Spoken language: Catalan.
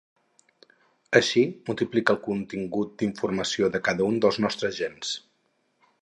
Així, multiplica el contingut d'informació de cada un dels nostres gens.